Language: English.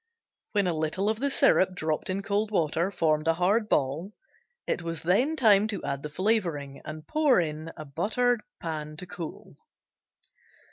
When a little of the syrup dropped in cold water formed a hard ball it was then time to add the flavoring and pour in a buttered pan to cool.